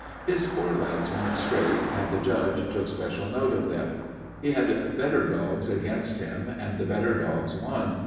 His forelegs weren't straight and the judge took special note of them. He had better dogs against him, and the better dogs won.